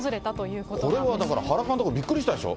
これはだから、原監督びっくりしたでしょ。